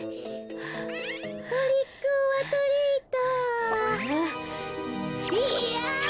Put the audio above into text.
トリックオアトリート。